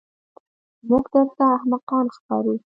موږ درته احمقان ښکارو.